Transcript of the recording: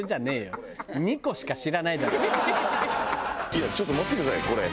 いやちょっと待ってくださいこれ。